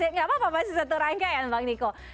tidak apa apa masih satu rangkaian bang niko